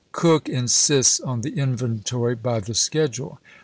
Coke insists on the inventory by the schedule!